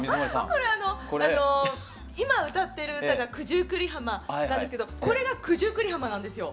これあの今歌ってる歌が「九十九里浜」なんだけどこれが九十九里浜なんですよ。